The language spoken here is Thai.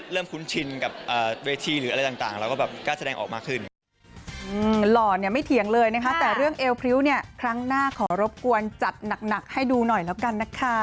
เริ่มคุ้นชินกับเวทีหรืออะไรต่างแล้วก็กล้าแสดงออกมาขึ้น